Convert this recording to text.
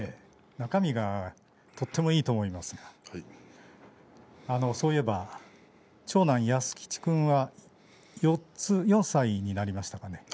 中身がとてもいいと思いますがそういえば長男・泰吉君は４歳になりましたね。